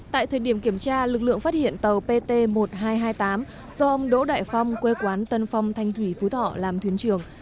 tại thời điểm kiểm tra lực lượng phát hiện tàu pt một nghìn hai trăm hai mươi tám do ông đỗ đại phong quê quán tân phong thanh thủy phú thọ làm thuyền trưởng